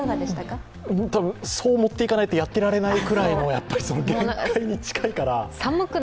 多分そう持っていかないとおやってられないくらい、尊敬に近いかな。